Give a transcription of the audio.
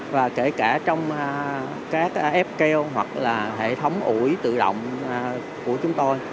và kể cả trong các ap keo hoặc là hệ thống ủi tự động của chúng tôi